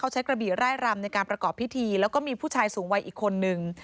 ใช้กระบี่ไร่รำในการประกอบพิธีแล้วก็มีผู้ชายสูงวัยอีกคนนึง